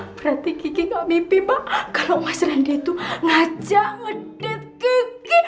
berarti kiki gak mimpi mbak kalo mas randy tuh ngajak ngedate kiki